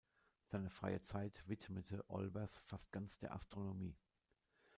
Seine freie Zeit widmete Olbers fast ganz der Astronomie.